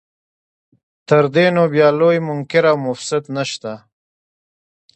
تر دې نو بیا لوی منکر او مفسد نشته.